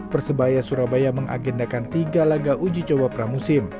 persebaya surabaya mengagendakan tiga laga uji coba pramusim